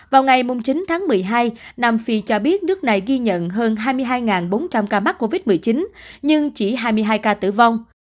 vào ngày chín tháng một mươi hai nam phi cho biết nước này ghi nhận hơn hai mươi hai bốn trăm linh ca mắc covid một mươi chín nhưng chỉ hai mươi hai ca tử vong